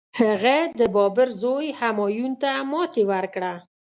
هغه د بابر زوی همایون ته ماتي ورکړه.